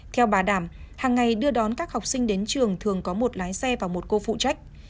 theo bà đảm hàng ngày đưa đón các học sinh đến trường thường có một lái xe và một cô phụ trách